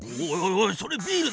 おいそれビールだよ。